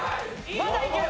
まだいける！